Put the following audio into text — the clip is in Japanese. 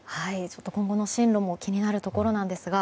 今後の進路も気になるところなんですが。